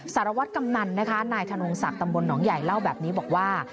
สารวัตรกำนันนะคะนายธนงศักดิ์ตำบลหนองใหญ่เล่าแบบนี้บอกว่า